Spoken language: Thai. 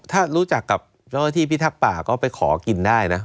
ถ้ารู้จักกับซ่อมพี่ทักป่าก็ไปขอกินได้นะ